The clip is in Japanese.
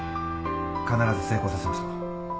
必ず成功させましょう。